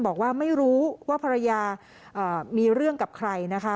บอกว่าไม่รู้ว่าภรรยามีเรื่องกับใครนะคะ